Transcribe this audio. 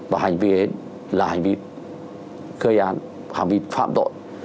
và hành vi ấy là hành vi gây án hành vi phạm tội